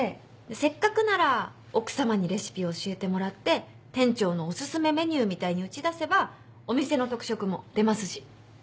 せっかくなら奥さまにレシピを教えてもらって店長のお薦めメニューみたいに打ち出せばお店の特色も出ますし。